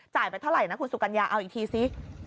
ไปเท่าไหร่นะคุณสุกัญญาเอาอีกทีซิ